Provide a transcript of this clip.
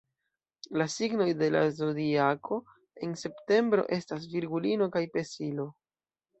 La signoj de la Zodiako en septembro estas Virgulino kaj Pesilo.